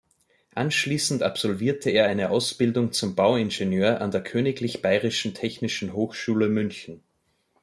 Anschließend absolvierte er eine Ausbildung zum Bauingenieur an der Königlich Bayerischen Technischen Hochschule München.